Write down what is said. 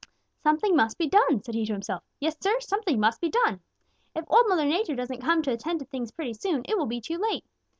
"'Something must be done,' said he to himself. 'Yes, Sir, something must be done. If Old Mother Nature doesn't come to attend to things pretty soon, it will be too late.'